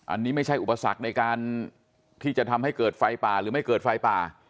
อันนี้ไม่ใช่อุปสรรคในการที่จะทำให้เกิดไฟป่าหรือไม่เกิดไฟป่า